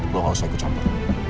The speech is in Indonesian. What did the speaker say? lo gak usah ikut campur